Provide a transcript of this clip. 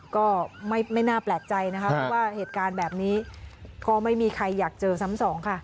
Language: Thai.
ก็ไม่น่าแปลกใจนะคะเพราะว่าเหตุการณ์แบบนี้ก็ไม่มีใครอยากเจอซ้ำสองค่ะ